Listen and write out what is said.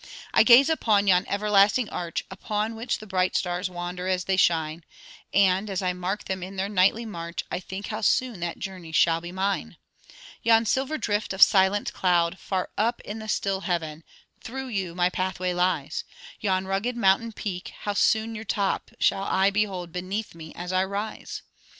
'I gaze upon yon everlasting arch, Up which the bright stars wander as they shine; And, as I mark them in their nightly march, I think how soon that journey shall be mine! 'Yon silver drift of silent cloud, far up In the still heaven through you my pathway lies: Yon rugged mountain peak how soon your top Shall I behold beneath me, as I rise!